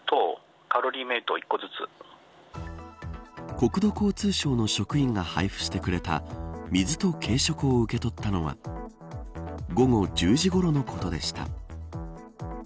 国土交通省の職員が配布してくれた水と軽食を受け取ったのは午後１０時ごろのことでした。